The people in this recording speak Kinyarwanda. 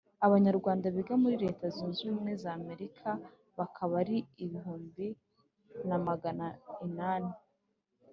Abanyarwanda biga muri leta zunze ubumwe z’amerika bakaba ari igihumbi na Magana inani